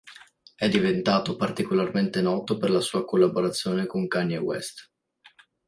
È diventato particolarmente noto per la sua collaborazione con Kanye West.